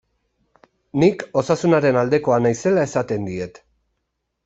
Nik Osasunaren aldekoa naizela esaten diet.